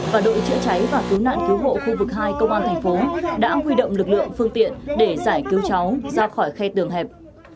và đội chữa cháy và cứu nạn cứu hộ khu vực hai công an thành phố đã huy động lực lượng phương tiện để giải cứu cháu ra khỏi khe tường hẹp